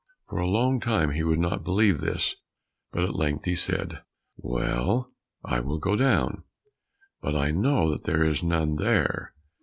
For a long time he would not believe this, but at length he said, "Well, I will go down, but I know that there is none there."